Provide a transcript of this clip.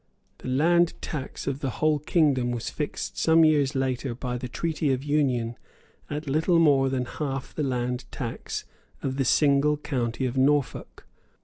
The land tax of the whole kingdom was fixed some years later by the Treaty of Union at little more than half the land tax of the single county of Norfolk.